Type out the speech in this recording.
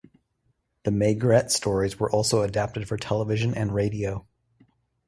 The Maigret stories were also adapted for television and radio.